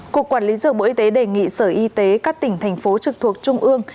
cục quản lý dược bộ y tế đề nghị sở y tế các tỉnh thành phố trực thuộc trung ương